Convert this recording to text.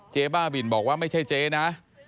บ้าบินบอกว่าไม่ใช่เจ๊นะ